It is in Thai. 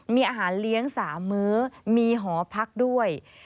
มีอาหารเลี้ยง๓มื้อมีหอพักด้วย